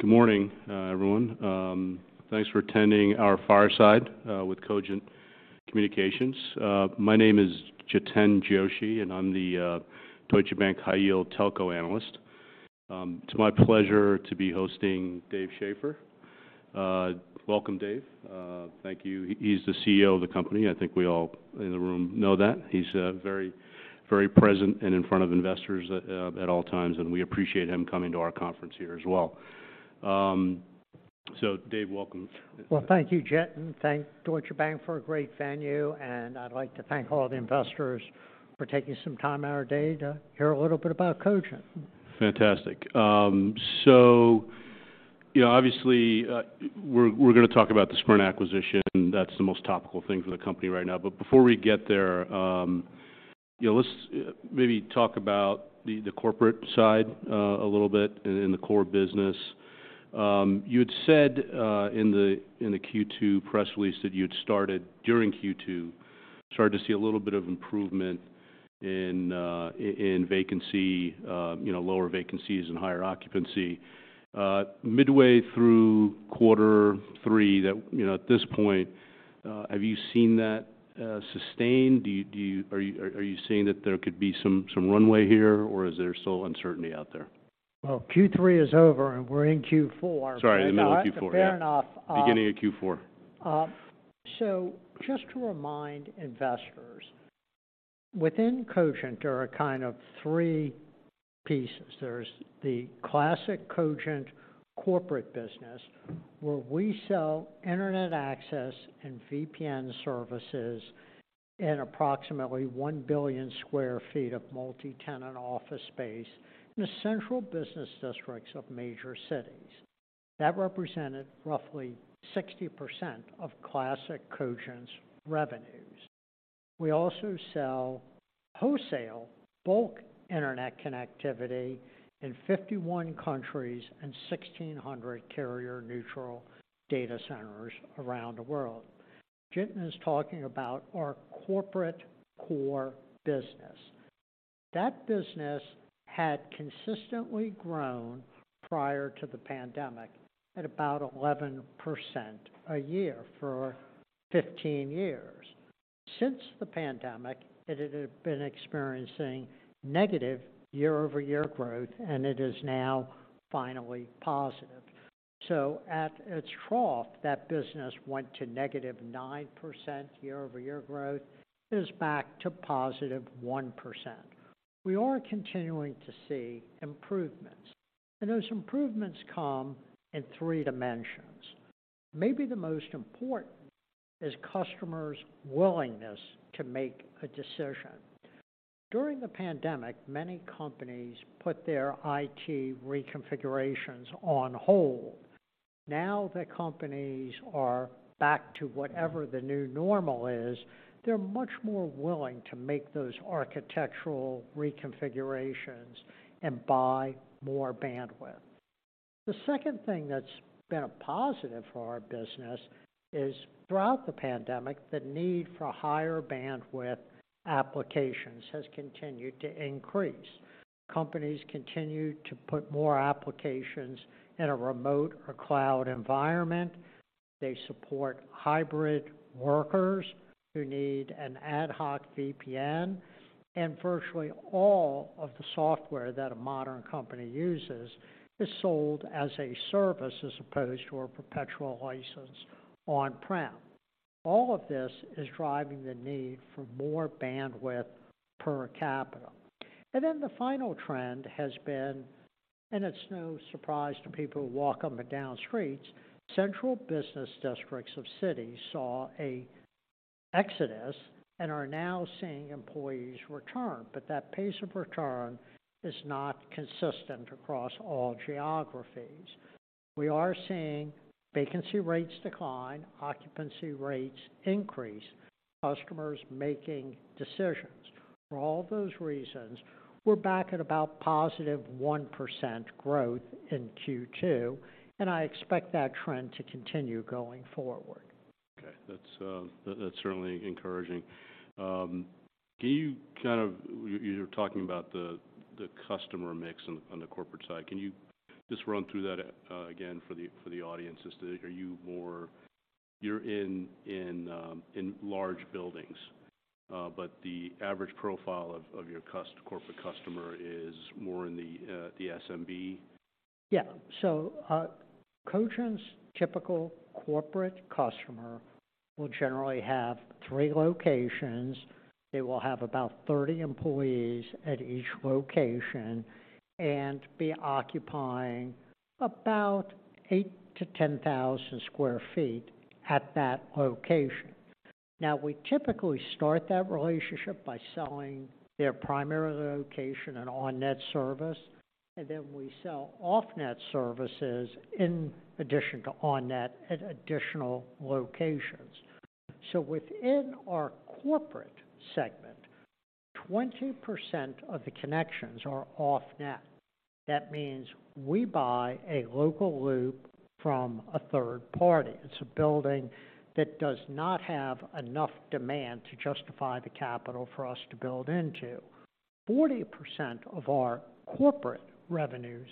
Good morning, everyone. Thanks for attending our fireside with Cogent Communications. My name is Jiten Joshi, and I'm the Deutsche Bank High Yield Telco Analyst. It's my pleasure to be hosting Dave Schaeffer. Welcome, Dave. Thank you. He's the CEO of the company. I think we all in the room know that. He's very, very present and in front of investors at all times, and we appreciate him coming to our conference here as well. So Dave, welcome. Well, thank you, Jiten, and thank Deutsche Bank for a great venue, and I'd like to thank all the investors for taking some time out of our day to hear a little bit about Cogent. Fantastic. So, you know, obviously, we're gonna talk about the Sprint acquisition. That's the most topical thing for the company right now. But before we get there, you know, let's maybe talk about the corporate side a little bit and the core business. You had said in the Q2 press release that you'd started during Q2 to see a little bit of improvement in vacancy, you know, lower vacancies and higher occupancy. Midway through quarter three, that. You know, at this point, have you seen that sustained? Do you? Are you saying that there could be some runway here, or is there still uncertainty out there? Well, Q3 is over, and we're in Q4. Sorry, in the middle of Q4. Fair enough, Beginning of Q4. So just to remind investors, within Cogent, there are kind of three pieces. There's the classic Cogent corporate business, where we sell internet access and VPN services in approximately 1 billion sq ft of multi-tenant office space in the central business districts of major cities. That represented roughly 60% of classic Cogent's revenues. We also sell wholesale bulk internet connectivity in 51 countries and 1,600 carrier-neutral data centers around the world. Jiten is talking about our corporate core business. That business had consistently grown prior to the pandemic at about 11% a year for 15 years. Since the pandemic, it had been experiencing negative year-over-year growth, and it is now finally positive. So at its trough, that business went to -9% year-over-year growth. It is back to +1%. We are continuing to see improvements, and those improvements come in three dimensions. Maybe the most important is customers' willingness to make a decision. During the pandemic, many companies put their IT reconfigurations on hold. Now that companies are back to whatever the new normal is, they're much more willing to make those architectural reconfigurations and buy more bandwidth. The second thing that's been a positive for our business is, throughout the pandemic, the need for higher bandwidth applications has continued to increase. Companies continue to put more applications in a remote or cloud environment. They support hybrid workers who need an ad hoc VPN, and virtually all of the software that a modern company uses is sold as a service as opposed to a perpetual license on-prem. All of this is driving the need for more bandwidth per capita. Then the final trend has been, and it's no surprise to people who walk up and down streets, central business districts of cities saw an exodus and are now seeing employees return, but that pace of return is not consistent across all geographies. We are seeing vacancy rates decline, occupancy rates increase, customers making decisions. For all those reasons, we're back at about +1% growth in Q2, and I expect that trend to continue going forward. Okay. That's, that's certainly encouraging. Can you kind of... You're talking about the customer mix on the corporate side. Can you just run through that, again, for the audience? Is it, are you more... You're in large buildings, but the average profile of your corporate customer is more in the SMB? Yeah. So, Cogent's typical corporate customer will generally have three locations. They will have about 30 employees at each location and be occupying about 8,000-10,000 sq ft at that location. Now, we typically start that relationship by selling their primary location an on-net service, and then we sell off-net services in addition to on-net at additional locations. So within our corporate segment, 20% of the connections are off-net. That means we buy a local loop from a third party. It's a building that does not have enough demand to justify the capital for us to build into.... 40% of our corporate revenues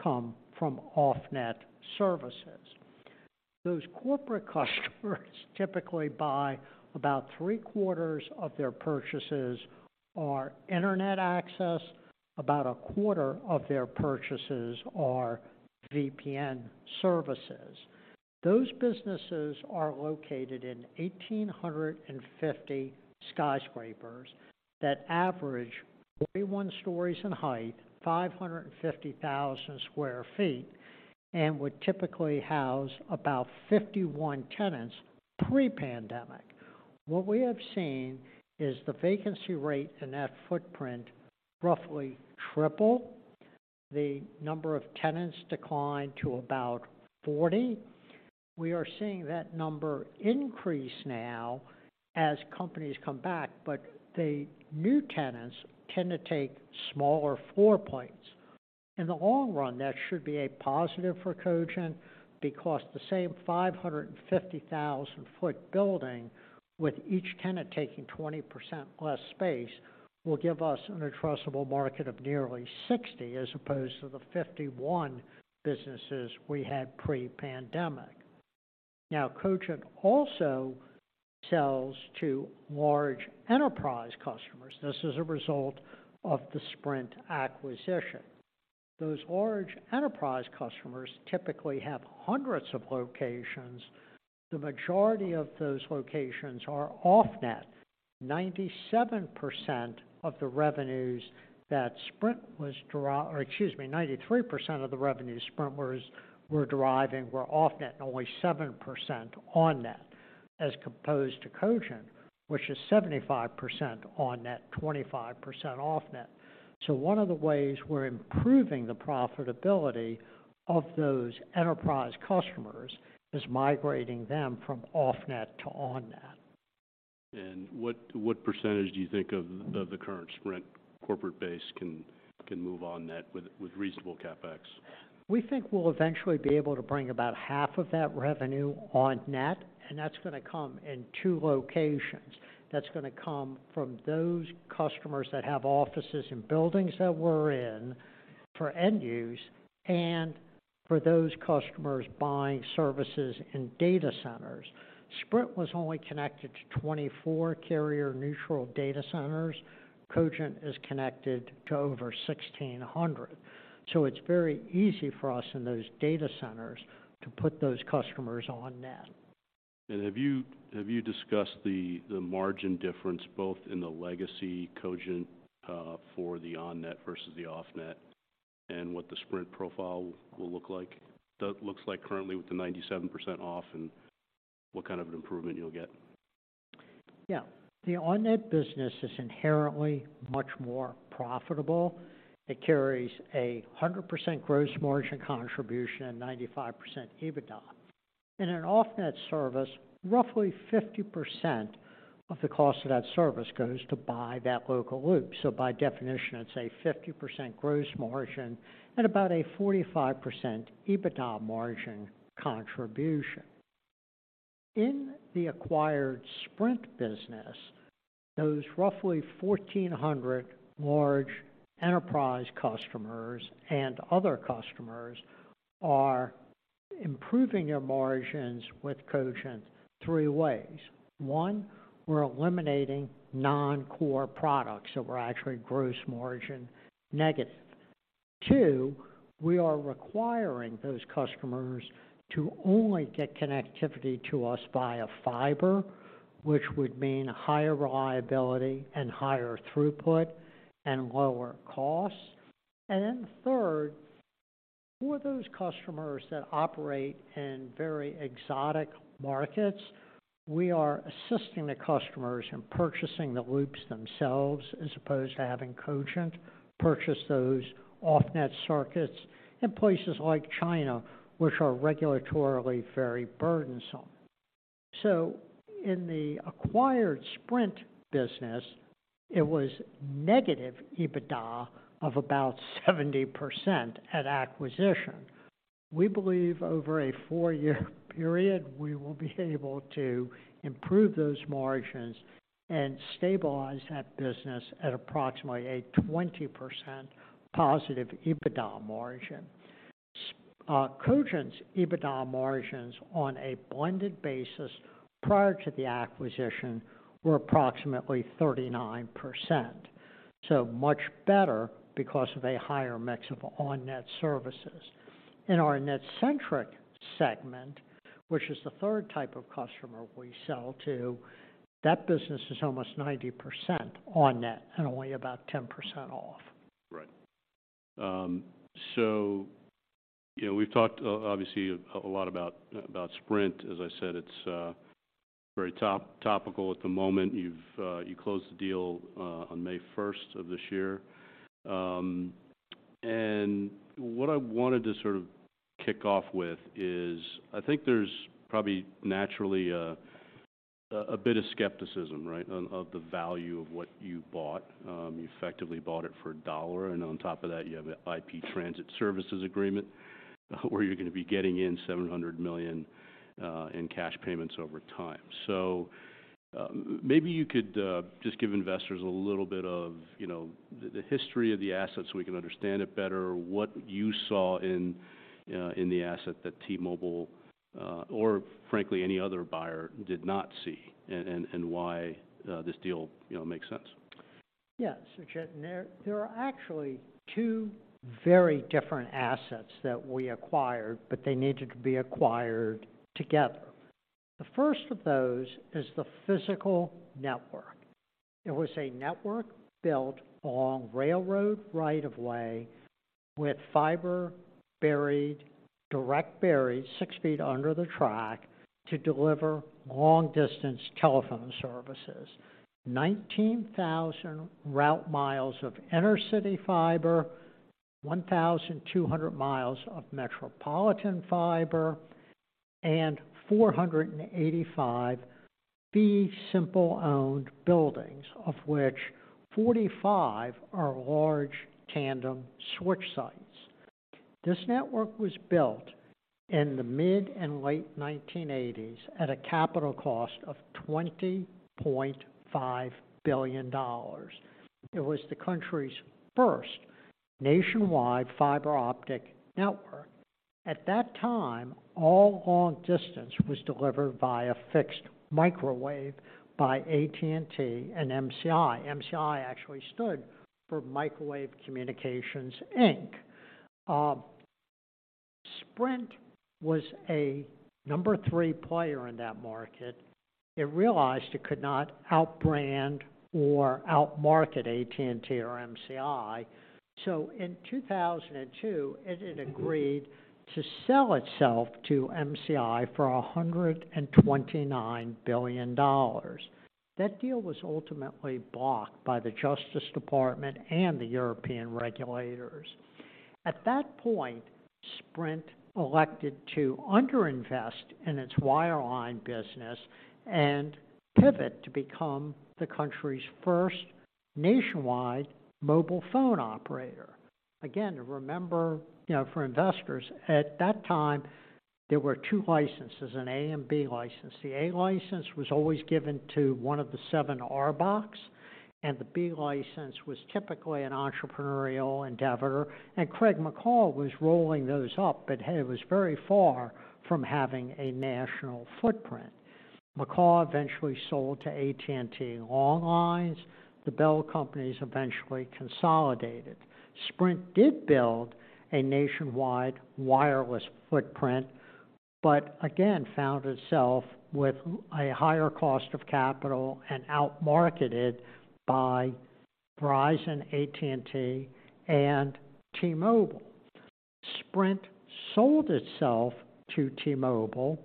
come from off-net services. Those corporate customers typically buy about three-quarters of their purchases are Internet access, about a quarter of their purchases are VPN services. Those businesses are located in 1,850 skyscrapers that average 41 stories in height, 550,000 sq ft, and would typically house about 51 tenants pre-pandemic. What we have seen is the vacancy rate in that footprint roughly triple, the number of tenants decline to about 40. We are seeing that number increase now as companies come back, but the new tenants tend to take smaller floor points. In the long run, that should be a positive for Cogent, because the same 550,000-sq-ft building, with each tenant taking 20% less space, will give us an addressable market of nearly 60, as opposed to the 51 businesses we had pre-pandemic. Now, Cogent also sells to large enterprise customers. This is a result of the Sprint acquisition. Those large enterprise customers typically have hundreds of locations. The majority of those locations are off-net. 97% of the revenues that Sprint was or excuse me, 93% of the revenues Sprint was, were deriving were off-net, and only 7% on-net, as opposed to Cogent, which is 75% on-net, 25% off-net. So one of the ways we're improving the profitability of those enterprise customers is migrating them from off-net to on-net. What percentage do you think of the current Sprint corporate base can move on-net with reasonable CapEx? We think we'll eventually be able to bring about half of that revenue on-net, and that's going to come in two locations. That's going to come from those customers that have offices and buildings that we're in for end use and for those customers buying services and data centers. Sprint was only connected to 24 carrier-neutral data centers. Cogent is connected to over 1,600. So it's very easy for us in those data centers to put those customers on-net. Have you discussed the margin difference, both in the legacy Cogent for the on-net versus the off-net, and what the Sprint profile will look like? Looks like currently with the 97% off-net, and what kind of an improvement you'll get? Yeah. The on-net business is inherently much more profitable. It carries a 100% gross margin contribution and 95% EBITDA. In an off-net service, roughly 50% of the cost of that service goes to buy that local loop. So by definition, it's a 50% gross margin and about a 45% EBITDA margin contribution. In the acquired Sprint business, those roughly 1,400 large enterprise customers and other customers are improving their margins with Cogent three ways. One, we're eliminating non-core products that were actually gross margin negative. Two, we are requiring those customers to only get connectivity to us via fiber, which would mean higher reliability and higher throughput and lower costs. And then third, for those customers that operate in very exotic markets, we are assisting the customers in purchasing the loops themselves, as opposed to having Cogent purchase those off-net circuits in places like China, which are regulatorily very burdensome. So in the acquired Sprint business, it was negative EBITDA of about 70% at acquisition. We believe over a 4-year period, we will be able to improve those margins and stabilize that business at approximately a 20% positive EBITDA margin. Cogent's EBITDA margins on a blended basis prior to the acquisition were approximately 39%. So much better because of a higher mix of on-net services. In our net-centric segment, which is the third type of customer we sell to, that business is almost 90% on-net and only about 10% off. Right. So, you know, we've talked obviously a lot about Sprint. As I said, it's very topical at the moment. You've closed the deal on May first of this year. And what I wanted to sort of kick off with is, I think there's probably naturally a bit of skepticism, right? On the value of what you bought. You effectively bought it for $1, and on top of that, you have an IP transit services agreement where you're going to be getting $700 million in cash payments over time. So, maybe you could just give investors a little bit of, you know, the history of the asset so we can understand it better. What you saw in the asset that T-Mobile or frankly, any other buyer did not see, and why this deal, you know, makes sense? Yes, so Jiten, there, there are actually two very different assets that we acquired, but they needed to be acquired together. The first of those is the physical network. It was a network built along railroad right of way, with fiber buried, direct buried six feet under the track to deliver long-distance telephone services. 19,000 route miles of inter-city fiber, 1,200 miles of metropolitan fiber, and 485 fee simple-owned buildings, of which 45 are large tandem switch sites. This network was built in the mid and late 1980s at a capital cost of $20.5 billion. It was the country's first nationwide fiber optic network. At that time, all long distance was delivered via fixed microwave by AT&T and MCI. MCI actually stood for Microwave Communications, Inc. Sprint was a number three player in that market. It realized it could not out-brand or out-market AT&T or MCI, so in 2002, it had agreed to sell itself to MCI for $129 billion. That deal was ultimately blocked by the Justice Department and the European regulators. At that point, Sprint elected to under-invest in its wireline business and pivot to become the country's first nationwide mobile phone operator. Again, remember, you know, for investors, at that time, there were two licenses, an A and B license. The A license was always given to one of the seven RBOCs, and the B license was typically an entrepreneurial endeavor, and Craig McCaw was rolling those up, but it was very far from having a national footprint. McCaw eventually sold to AT&T Long Lines. The Bell companies eventually consolidated. Sprint did build a nationwide wireless footprint, but again, found itself with a higher cost of capital and out-marketed by Verizon, AT&T, and T-Mobile. Sprint sold itself to T-Mobile.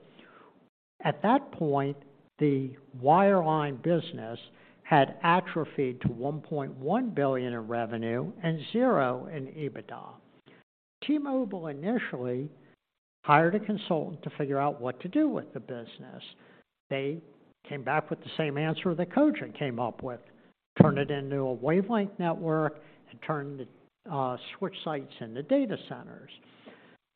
At that point, the wireline business had atrophied to $1.1 billion in revenue and zero in EBITDA. T-Mobile initially hired a consultant to figure out what to do with the business. They came back with the same answer that Cogent came up with: turn it into a wavelength network and turn the switch sites into data centers.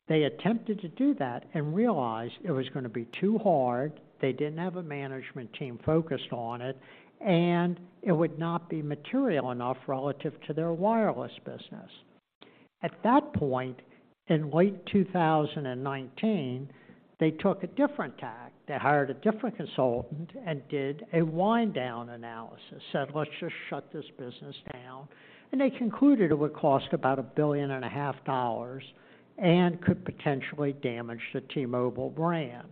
They attempted to do that and realized it was going to be too hard. They didn't have a management team focused on it, and it would not be material enough relative to their wireless business. At that point, in late 2019, they took a different tack. They hired a different consultant and did a wind down analysis, said, "Let's just shut this business down." They concluded it would cost about $1.5 billion and could potentially damage the T-Mobile brand.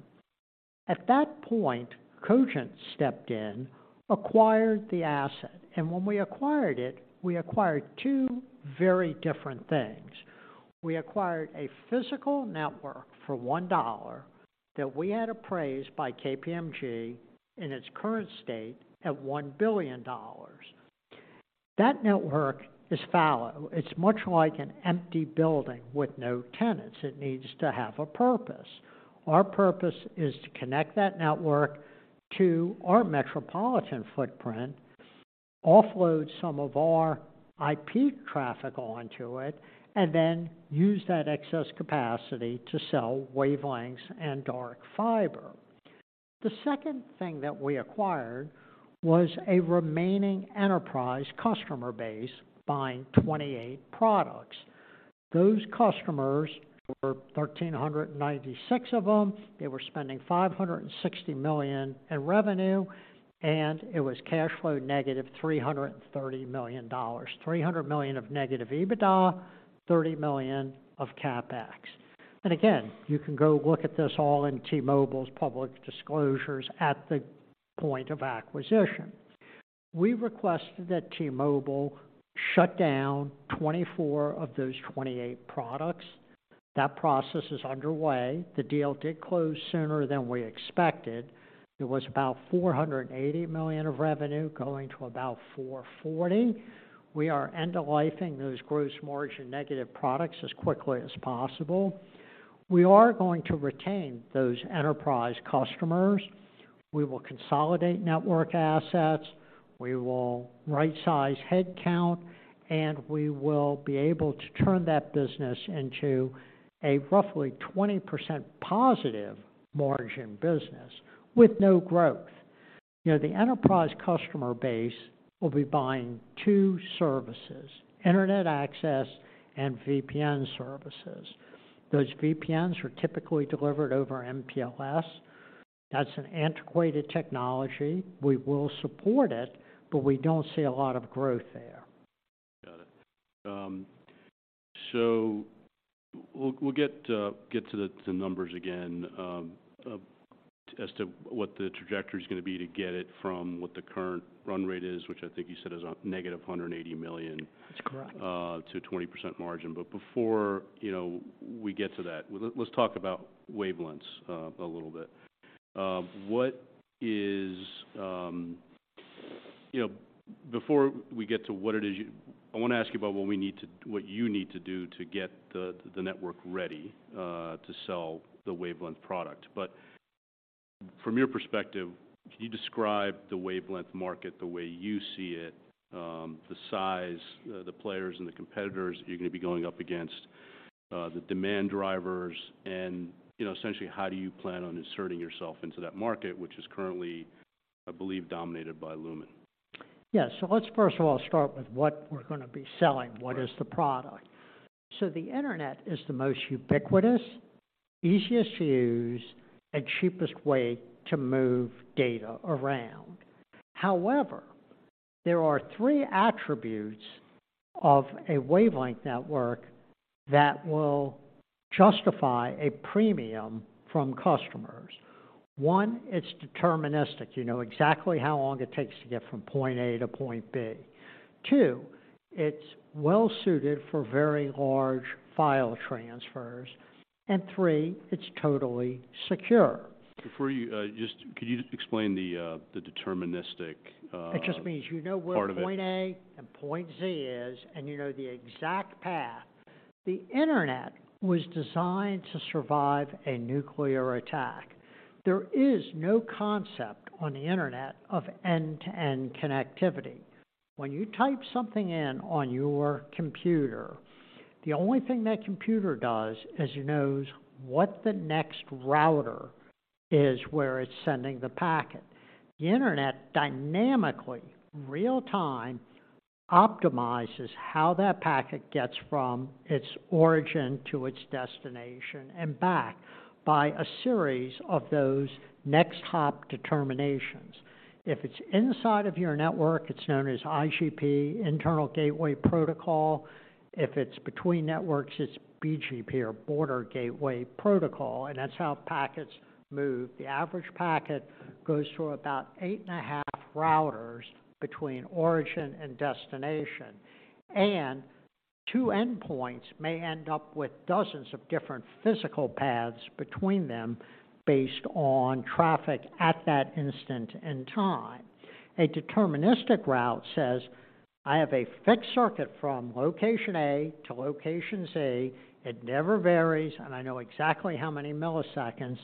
At that point, Cogent stepped in, acquired the asset, and when we acquired it, we acquired two very different things. We acquired a physical network for $1 that we had appraised by KPMG in its current state at $1 billion. That network is fallow. It's much like an empty building with no tenants. It needs to have a purpose. Our purpose is to connect that network to our metropolitan footprint, offload some of our IP traffic onto it, and then use that excess capacity to sell wavelengths and dark fiber. The second thing that we acquired was a remaining enterprise customer base buying 28 products. Those customers were 1,396 of them. They were spending $560 million in revenue, and it was cash flow negative $330 million. $300 million of negative EBITDA, $30 million of CapEx. And again, you can go look at this all in T-Mobile's public disclosures at the point of acquisition. We requested that T-Mobile shut down 24 of those 28 products. That process is underway. The deal did close sooner than we expected. It was about $480 million of revenue going to about $440. We are end-of-lifing those gross margin negative products as quickly as possible. We are going to retain those enterprise customers.... we will consolidate network assets, we will rightsize headcount, and we will be able to turn that business into a roughly 20% positive margin business with no growth. You know, the enterprise customer base will be buying two services: internet access and VPN services. Those VPNs are typically delivered over MPLS. That's an antiquated technology. We will support it, but we don't see a lot of growth there. Got it. So we'll get to the numbers again, as to what the trajectory is going to be to get it from what the current run rate is, which I think you said is a negative $180 million- That's correct. To 20% margin. But before, you know, we get to that, let's talk about wavelengths a little bit. You know, before we get to what it is, I want to ask you about what you need to do to get the network ready to sell the wavelength product. But from your perspective, can you describe the wavelength market the way you see it, the size, the players and the competitors you're going to be going up against, the demand drivers, and, you know, essentially, how do you plan on inserting yourself into that market, which is currently, I believe, dominated by Lumen? Yes. Let's first of all, start with what we're going to be selling. Right. What is the product? So the Internet is the most ubiquitous, easiest to use, and cheapest way to move data around. However, there are three attributes of a wavelength network that will justify a premium from customers. One, it's deterministic. You know exactly how long it takes to get from point A to point B. Two, it's well suited for very large file transfers, and three, it's totally secure. Before you, could you just explain the deterministic part of it? It just means you know where point A and point Z is, and you know the exact path. The Internet was designed to survive a nuclear attack. There is no concept on the Internet of end-to-end connectivity. When you type something in on your computer, the only thing that computer does is it knows what the next router is, where it's sending the packet. The Internet dynamically, real time, optimizes how that packet gets from its origin to its destination and back by a series of those next hop determinations. If it's inside of your network, it's known as IGP, Interior Gateway Protocol. If it's between networks, it's BGP or Border Gateway Protocol, and that's how packets move. The average packet goes through about 8.5 routers between origin and destination, and two endpoints may end up with dozens of different physical paths between them based on traffic at that instant in time. A deterministic route says, "I have a fixed circuit from location A to location Z. It never varies, and I know exactly how many milliseconds,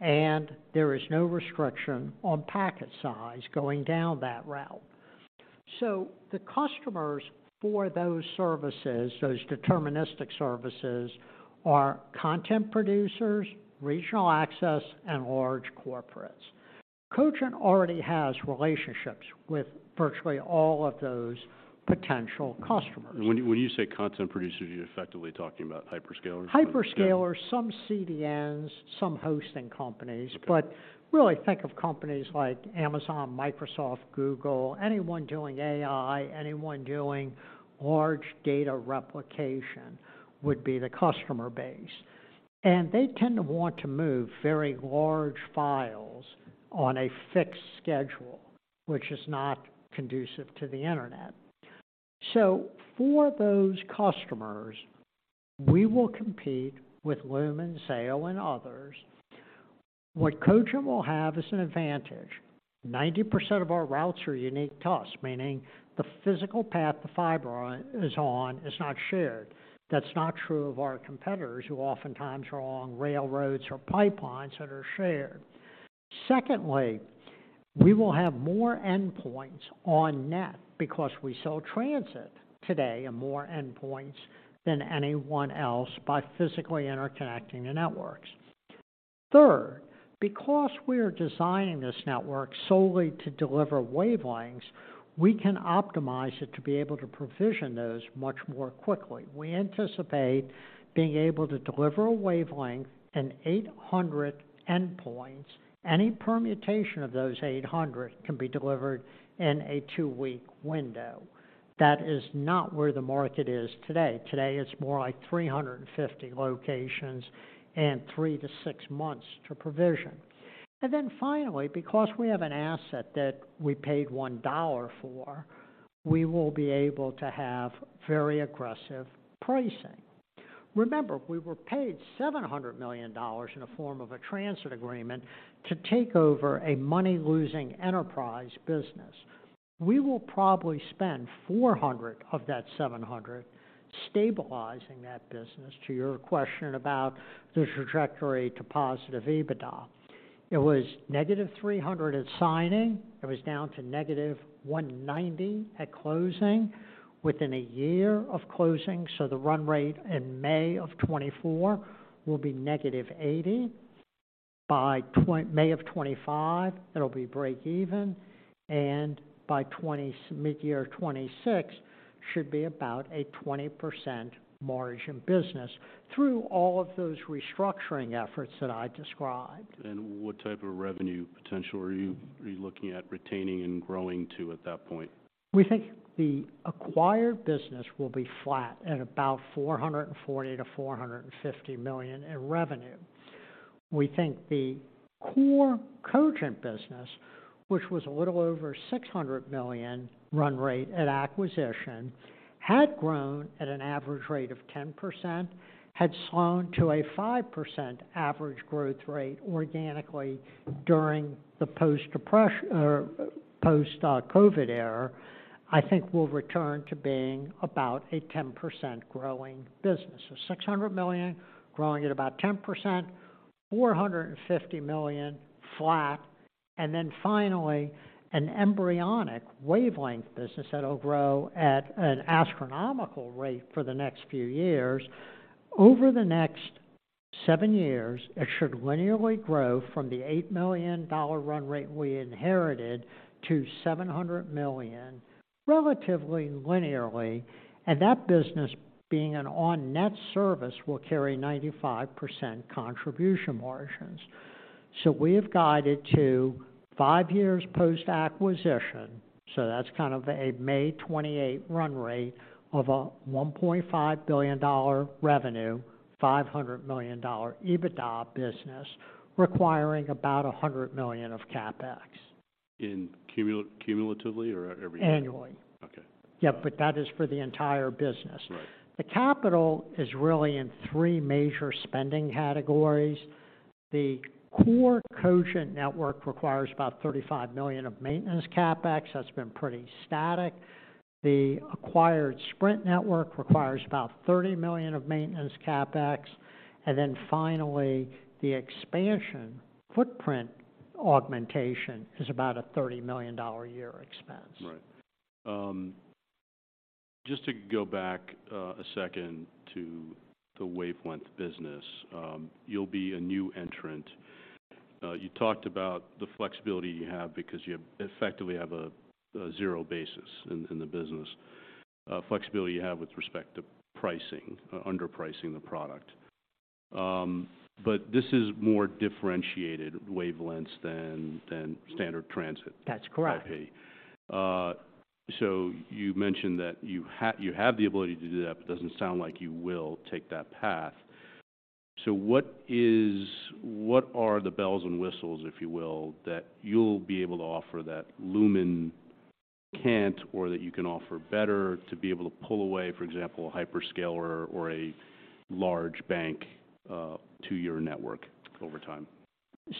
and there is no restriction on packet size going down that route." So the customers for those services, those deterministic services, are content producers, regional access, and large corporates. Cogent already has relationships with virtually all of those potential customers. When you say content producers, you're effectively talking about hyperscalers? Hyperscalers, some CDNs, some hosting companies- Okay. But really think of companies like Amazon, Microsoft, Google, anyone doing AI, anyone doing large data replication would be the customer base. They tend to want to move very large files on a fixed schedule, which is not conducive to the Internet. So for those customers, we will compete with Lumen, Zayo, and others. What Cogent will have is an advantage. 90% of our routes are unique to us, meaning the physical path the fiber is on is not shared. That's not true of our competitors, who oftentimes are on railroads or pipelines that are shared. Secondly, we will have more endpoints on-net because we sell transit today and more endpoints than anyone else by physically interconnecting the networks. Third, because we are designing this network solely to deliver wavelengths, we can optimize it to be able to provision those much more quickly. We anticipate being able to deliver a wavelength in 800 endpoints. Any permutation of those 800 can be delivered in a 2-week window. That is not where the market is today. Today, it's more like 350 locations and 3-6 months to provision. And then finally, because we have an asset that we paid $1 for, we will be able to have very aggressive pricing. Remember, we were paid $700 million in the form of a transit agreement to take over a money-losing enterprise business.... we will probably spend $400 of that $700 stabilizing that business. To your question about the trajectory to positive EBITDA, it was -$300 at signing. It was down to -$190 at closing within a year of closing. So the run rate in May of 2024 will be -$80. By May of 2025, it'll be breakeven, and by mid-year 2026, should be about a 20% margin business through all of those restructuring efforts that I described. What type of revenue potential are you looking at retaining and growing to at that point? We think the acquired business will be flat at about $440 million-$450 million in revenue. We think the core Cogent business, which was a little over $600 million run rate at acquisition, had grown at an average rate of 10%, had slowed to a 5% average growth rate organically during the post-depression or post-COVID era, I think will return to being about a 10% growing business. So $600 million growing at about 10%, $450 million flat, and then finally, an embryonic wavelength business that will grow at an astronomical rate for the next few years. Over the next seven years, it should linearly grow from the $8 million run rate we inherited to $700 million, relatively linearly. And that business, being an on-net service, will carry 95% contribution margins. We've guided to five years post-acquisition, so that's kind of a May 2028 run rate of a $1.5 billion revenue, $500 million EBITDA business, requiring about a $100 million of CapEx. In cumulatively or every year? Annually. Okay. Yeah, but that is for the entire business. Right. The capital is really in three major spending categories. The core Cogent network requires about $35 million of maintenance CapEx. That's been pretty static. The acquired Sprint network requires about $30 million of maintenance CapEx. And then finally, the expansion footprint augmentation is about a $30 million a year expense. Right. Just to go back a second to the wavelength business, you'll be a new entrant. You talked about the flexibility you have because you effectively have a zero basis in the business, flexibility you have with respect to pricing, underpricing the product. But this is more differentiated wavelengths than standard transit. That's correct. So you mentioned that you have the ability to do that, but doesn't sound like you will take that path. So what is... What are the bells and whistles, if you will, that you'll be able to offer that Lumen can't, or that you can offer better to be able to pull away, for example, a hyperscaler or a large bank, to your network over time?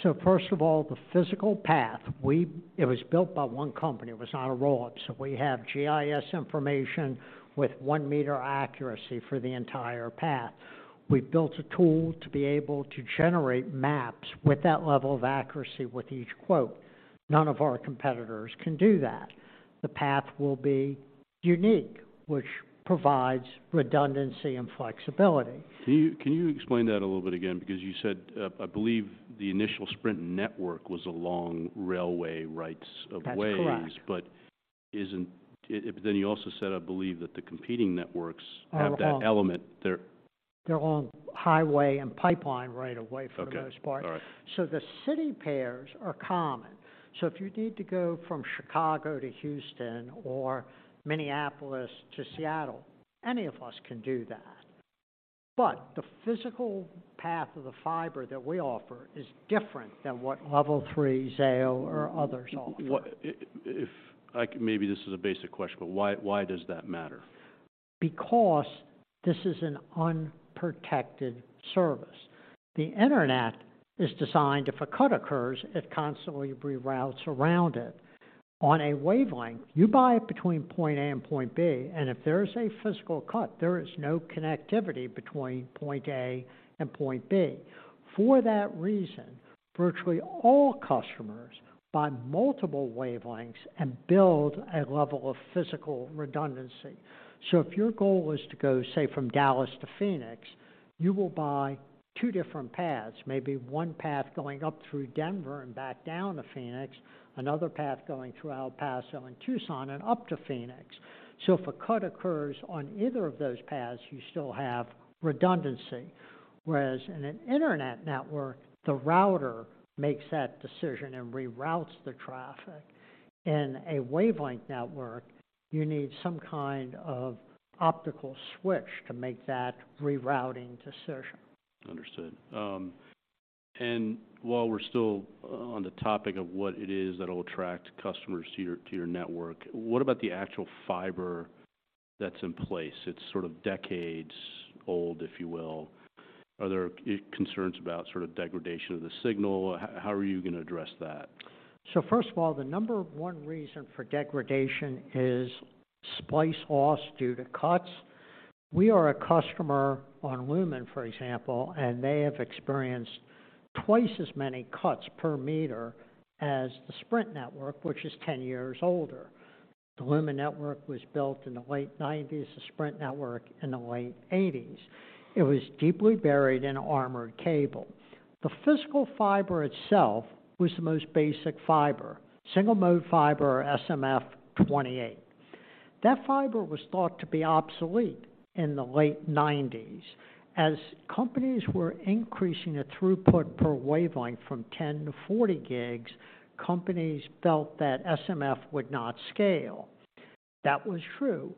So first of all, the physical path, it was built by one company. It was not a roll-up, so we have GIS information with one-meter accuracy for the entire path. We've built a tool to be able to generate maps with that level of accuracy with each quote. None of our competitors can do that. The path will be unique, which provides redundancy and flexibility. Can you, can you explain that a little bit again? Because you said, "I believe the initial Sprint network was along railway rights-of-way. That's correct. But then you also said, "I believe that the competing networks- Are wrong. have that element." They're They're on highway and pipeline right-of-way- Okay. for the most part. All right. The city pairs are common. If you need to go from Chicago to Houston or Minneapolis to Seattle, any of us can do that. But the physical path of the fiber that we offer is different than what Level 3, Zayo, or others offer. What if... Maybe this is a basic question, but why, why does that matter? Because this is an unprotected service. The Internet is designed, if a cut occurs, it constantly reroutes around it. On a wavelength, you buy it between point A and point B, and if there is a physical cut, there is no connectivity between point A and point B. For that reason, virtually all customers buy multiple wavelengths and build a level of physical redundancy. So if your goal was to go, say, from Dallas to Phoenix, you will buy two different paths, maybe one path going up through Denver and back down to Phoenix, another path going through El Paso and Tucson and up to Phoenix. So if a cut occurs on either of those paths, you still have redundancy, whereas in an Internet network, the router makes that decision and reroutes the traffic. In a wavelength network, you need some kind of optical switch to make that rerouting decision. Understood. While we're still on the topic of what it is that will attract customers to your, to your network, what about the actual fiber?... That's in place. It's sort of decades old, if you will. Are there concerns about sort of degradation of the signal? How are you going to address that? So first of all, the number one reason for degradation is splice loss due to cuts. We are a customer on Lumen, for example, and they have experienced twice as many cuts per meter as the Sprint network, which is 10 years older. The Lumen network was built in the late 1990s, the Sprint network in the late 1980s. It was deeply buried in armored cable. The physical fiber itself was the most basic fiber, single-mode fiber or SMF-28. That fiber was thought to be obsolete in the late 1990s. As companies were increasing the throughput per wavelength from 10-40 gigs, companies felt that SMF would not scale. That was true.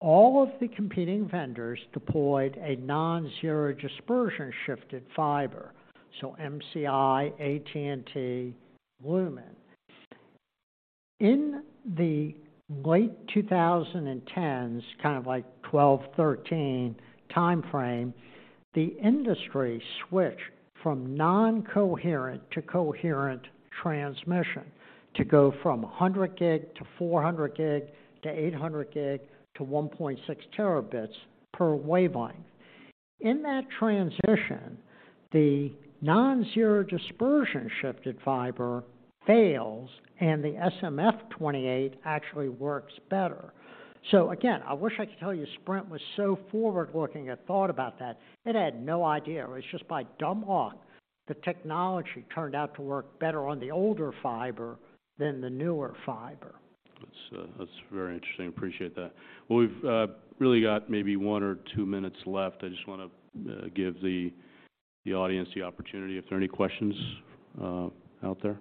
All of the competing vendors deployed a non-zero dispersion-shifted fiber, so MCI, AT&T, Lumen. In the late 2010s, kind of like 2012, 2013 timeframe, the industry switched from noncoherent to coherent transmission to go from 100 gig-400 gig-800 gig to 1.6 terabits per wavelength. In that transition, the Non-Zero Dispersion-Shifted Fiber fails, and the SMF-28 actually works better. So again, I wish I could tell you Sprint was so forward-looking and thought about that. It had no idea. It was just by dumb luck, the technology turned out to work better on the older fiber than the newer fiber. That's, that's very interesting. Appreciate that. Well, we've really got maybe one or two minutes left. I just want to give the audience the opportunity. If there are any questions out there?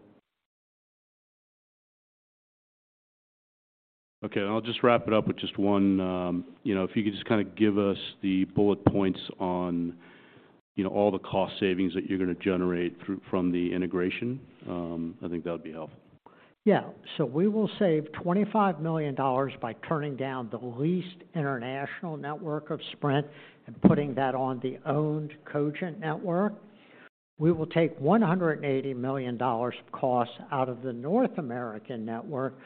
Okay, I'll just wrap it up with just one. You know, if you could just kind of give us the bullet points on, you know, all the cost savings that you're going to generate through, from the integration, I think that would be helpful. Yeah. So we will save $25 million by turning down the least international network of Sprint and putting that on the owned Cogent network. We will take $180 million of costs out of the North American network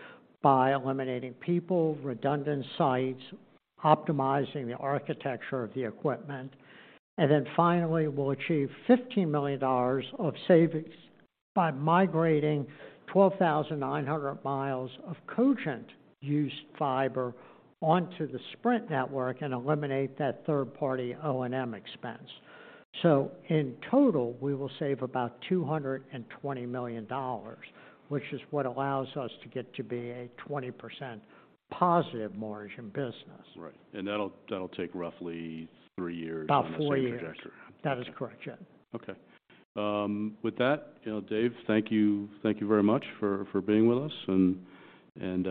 by eliminating people, redundant sites, optimizing the architecture of the equipment, and then finally, we'll achieve $15 million of savings by migrating 12,900 miles of Cogent-used fiber onto the Sprint network and eliminate that third-party O&M expense. So in total, we will save about $220 million, which is what allows us to get to be a 20% positive margin business. Right, that'll take roughly three years- About four years. On the same trajectory. That is correct, yeah. Okay. With that, you know, Dave, thank you. Thank you very much for being with us and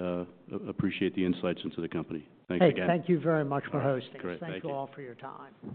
appreciate the insights into the company. Thanks again. Hey, thank you very much for hosting us. Great. Thank you. Thank you all for your time.